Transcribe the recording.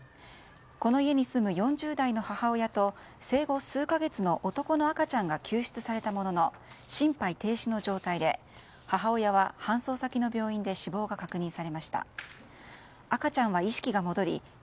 この家に住む４０代の母親と生後数か月の男の赤ちゃんが救出されたものの心肺停止の状態で母親は搬送先の病院でＰａｙＰａｙクーポンで！